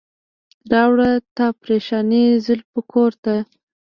راوړه تا پریشاني د زلفو کور ته.